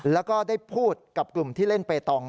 แล้วก็ได้พูดกับกลุ่มที่เล่นเปตอง